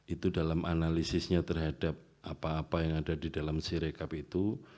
itu dalam analisisnya terhadap apa apa yang ada di dalam sirekap itu